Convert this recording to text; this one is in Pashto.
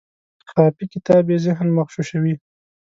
خافي کتاب یې ذهن مغشوشوي.